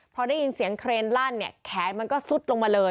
พอได้ยินเสียงเครนลั่นเนี่ยแขนมันก็ซุดลงมาเลย